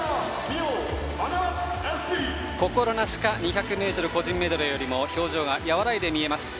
心なしか２００ｍ個人メドレーよりも表情が和らいで見えます